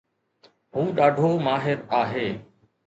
هو ڏاڍو ماهر آهي